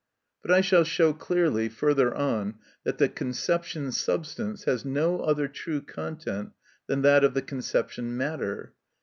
But I shall show clearly further on that the conception substance has no other true content than that of the conception matter.